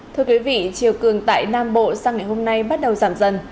thưa quý vị chiều cường tại nam bộ sang ngày hôm nay bắt đầu giảm dần